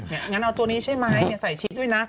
งั้นเอาตัวนี้ใช่ไหมใส่ชิดด้วยนะ